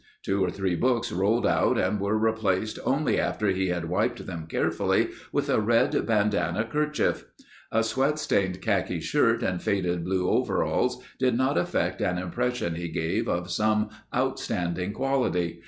Two or three books rolled out and were replaced only after he had wiped them carefully with a red bandana kerchief. A sweat stained khaki shirt and faded blue overalls did not affect an impression he gave of some outstanding quality.